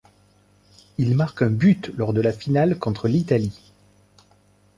Il marque un but lors de la finale contre l'Italie.